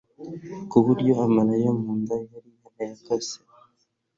kuburyo amara yo munda yari yarayakase